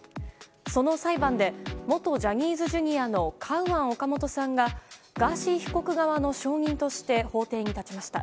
その裁判で元ジャニーズＪｒ．のカウアン・オカモトさんがガーシー被告側の証人として法廷に立ちました。